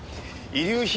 遺留品？